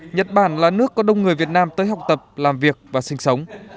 nhật bản là nước có đông người việt nam tới học tập làm việc và sinh sống